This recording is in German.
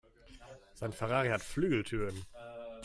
Sein Ferrari hat Flügeltüren.